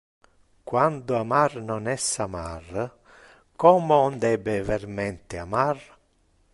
Quando amar non es amar, como on debe vermente amar?